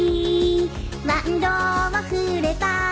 「ワンドをふれば」